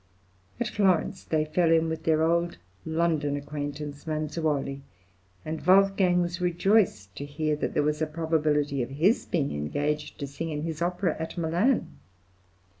At Florence, they fell in with their old London acquaintance Manzuoli, and Wolfgang was rejoiced to hear that there was a probability of his being engaged to sing in his opera at Milan.